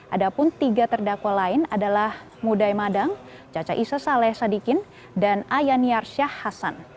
ada pun tiga terdakwa lain adalah mudai madang jaca isa saleh sadikin dan ayaniar syah hasan